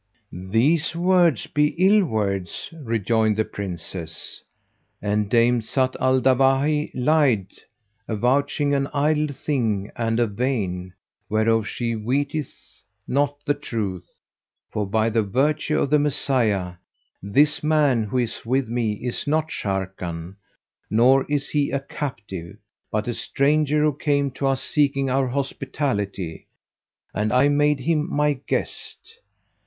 "These words be ill words," rejoined the Princess, "and Dame Zat al Dawahi lied, avouching an idle thing and a vain, whereof she weeteth not the truth; for by the virtue of the Messiah, this man who is with me is not Sharrkan, nor is he a captive, but a stranger who came to us seeking our hospitality, and I made him my guest.